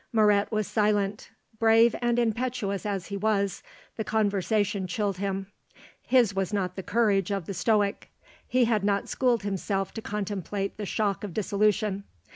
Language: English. Moret was silent. Brave and impetuous as he was, the conversation chilled him. His was not the courage of the Stoic; he had not schooled himself to contemplate the shock of dissolution.